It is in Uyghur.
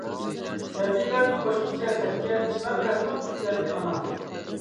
سەبىيلەرنى قوشقىچە سەپكە، چىنار بەستىڭ پۈكلەندى ئانا.